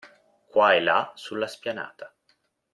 Qua e là sulla spianata.